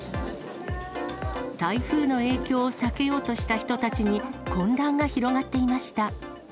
台風の影響を避けようとした人たちに混乱が広がっていました。